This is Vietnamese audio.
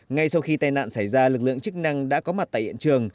ngay sau khi tai nạn xảy ra lực lượng chức năng đã có mặt tại hiện trường